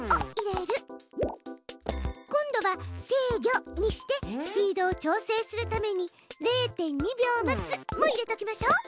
今度は「制御」にしてスピードを調整するために「０．２秒待つ」も入れときましょう。